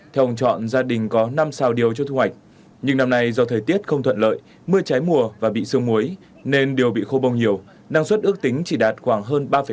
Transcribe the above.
theo ông chọn gia đình có năm sao điều cho thu hoạch nhưng năm nay do thời tiết không thuận lợi mưa trái mùa và bị sương muối nên điều bị khô bông nhiều năng suất ước tính chỉ đạt khoảng hơn ba năm